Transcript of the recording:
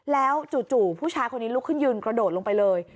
แล้วจู่ผู้ชายคนนี้ลุกขึ้นยืนกระโดดลงไปเลย